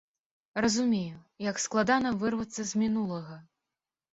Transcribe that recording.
Разумею, як складана вырвацца з мінулага.